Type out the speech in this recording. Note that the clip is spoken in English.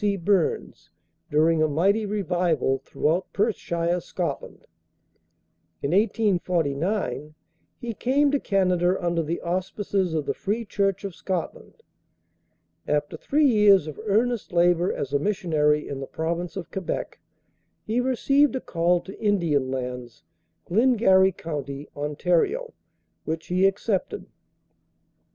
C. Burns, during a mighty revival, throughout Perthshire, Scotland. In 1849 he came to Canada under the auspices of the Free Church of Scotland. After three years of earnest labor as a missionary, in the Province of Quebec, he received a call to Indian Lands, Glengarry County, Ont., which he accepted.